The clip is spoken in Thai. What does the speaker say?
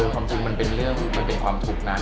ความจริงมันเป็นเรื่องมันเป็นความทุกข์นั้น